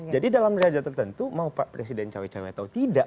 jadi dalam raya tertentu mau presiden cowok cowok atau tidak